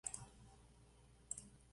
De Ordine di Battaglia Italiano.